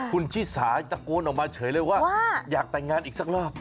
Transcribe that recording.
คุณชิสาตะโกนออกมาเฉยเลยว่าอยากแต่งงานอีกสักรอบ